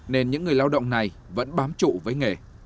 nên những người lao động này vẫn bám trụ với nghề